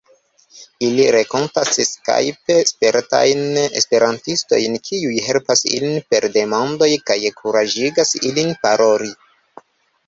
Ili renkontas skajpe spertajn esperantistojn, kiuj helpas ilin per demandoj, kaj kuraĝigas ilin paroli.